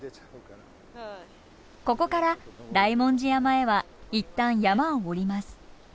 ここから大文字山へは一旦山を下ります。